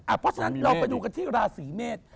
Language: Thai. เพราะฉะนั้นเราไปดูกันที่ราศีเมษ